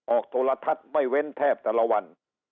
โทรทัศน์ไม่เว้นแทบแต่ละวัน